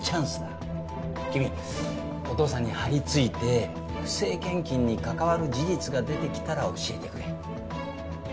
君お父さんに張り付いて不正献金に関わる事実が出てきたら教えてくれ。